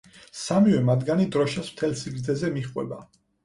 სამივე მათგანი დროშას მთელ სიგრძეზე მიჰყვება.